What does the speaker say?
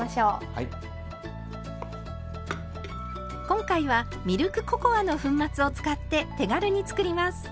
今回はミルクココアの粉末を使って手軽に作ります。